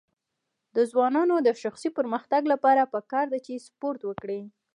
د ځوانانو د شخصي پرمختګ لپاره پکار ده چې سپورټ وکړي.